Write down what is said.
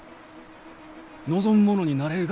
望む者になれるがやき！